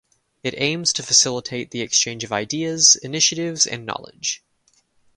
It aims to facilitate the exchange of ideas, initiatives and knowledge.